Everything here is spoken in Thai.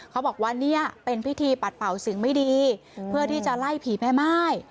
เขาบอกว่าเนี่ยเป็นพิธีปัดเป่าสิ่งไม่ดีเพื่อที่จะไล่ผีแม่ม่าย